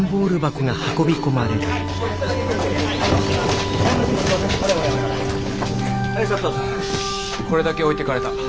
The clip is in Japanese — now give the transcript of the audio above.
これだけ置いていかれた。